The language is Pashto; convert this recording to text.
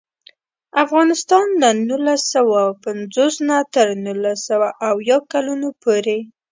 افغانستان له نولس سوه پنځوس نه تر نولس سوه اویا کلونو پورې.